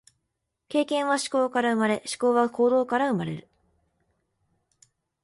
経験は思考から生まれ、思考は行動から生まれる。